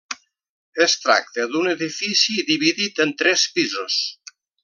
Es tracta d’un edifici dividit en tres pisos.